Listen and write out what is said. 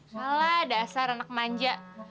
salah dasar anak manja